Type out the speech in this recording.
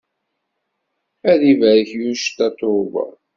Ad ibarek yuc Tatoeba.